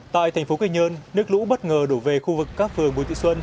tại thành phố quy nhơn nước lũ bất ngờ đổ về khu vực các phường bùi thị xuân